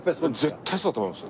絶対そうだと思います。